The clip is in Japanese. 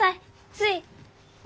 つい。